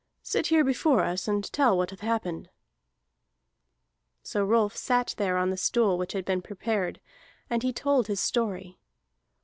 Sit here before us, and tell what hath happened." So Rolf sat there on the stool which had been prepared, and he told his story.